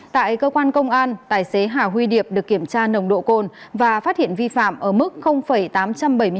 tại cơ quan công an tài xế hà huy điệp được kiểm tra nồng độ cồn và phát hiện vi phạm ở mức tám trăm bảy mươi hai mg trên một lít khí thở